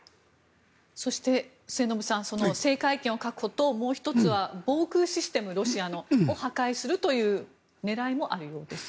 そして、末延さん制海権を確保ともう１つはロシアの防空システムを破壊するという狙いもあるようです。